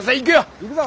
元行くぞ！